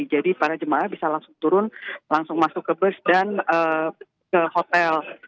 jadi para jemaah bisa langsung turun langsung masuk ke bus dan ke hotel